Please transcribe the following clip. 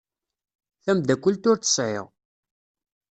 Tamdakelt ur tt-sεiɣ.